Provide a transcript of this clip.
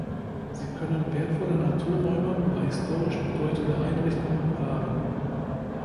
Sie können wertvolle Naturräume oder historisch bedeutende Einrichtungen bewahren.